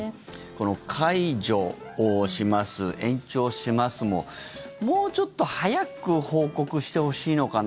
解除します、延長しますももうちょっと早く報告してほしいのかな。